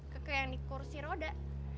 kakak yang dikursi roda